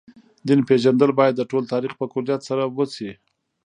دین پېژندل باید د ټول تاریخ په کُلیت سره وشي.